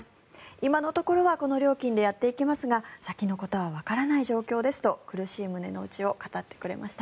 今のところはこの料金でやっていけますが先のことはわからない状況ですと苦しい胸の内を語ってくれました。